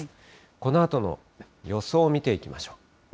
このあとの予想を見ていきましょう。